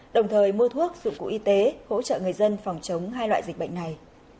đồng thời mua thuốc dụng cụ y tế hỗ trợ người dân phòng chống hai loại dịch bệnh này